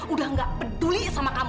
udah gak peduli sama kamu